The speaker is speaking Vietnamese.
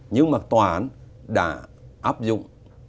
nhưng mà tòa án đã áp dụng